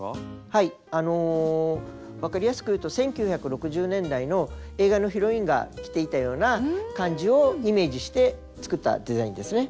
はいあのわかりやすくいうと１９６０年代の映画のヒロインが着ていたような感じをイメージして作ったデザインですね。